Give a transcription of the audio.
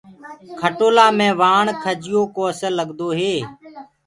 کٽولآ مي وآڻ کجيو ڪو اسل لگدو هي۔